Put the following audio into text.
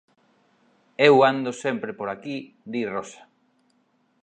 Eu ando sempre por aquí –di Rosa.